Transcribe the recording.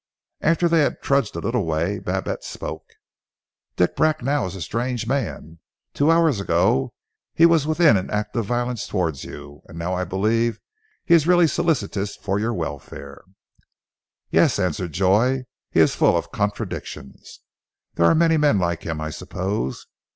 After they had trudged a little way, Babette spoke. "Dick Bracknell is a strange man. Two hours ago he was within an ace of violence towards you, and now I believe he is really solicitous for your welfare." "Yes," answered Joy. "He is full of contradictions. There are many men like him, I suppose.